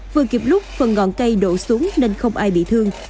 vừa kịp lúc phần ngọn cây đổ xuống nên không ai bị thương